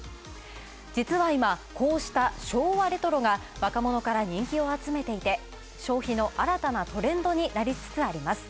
実は今、こうした昭和レトロが若者から人気を集めていて、消費の新たなトレンドになりつつあります。